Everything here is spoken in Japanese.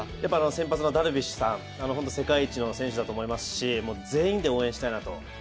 先発のダルビッシュさん、世界一の選手だと思いますし全員で応援したいなと。